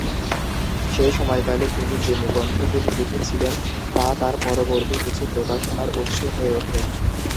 সেই সময়কালে তিনি যে নিবন্ধগুলি লিখেছিলেন তা তার পরবর্তী কিছু প্রকাশনার উৎস হয়ে ওঠে।